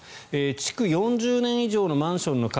築４０年以上のマンションの数